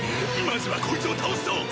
まずはこいつを倒すぞ！